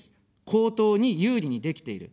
公党に有利にできている。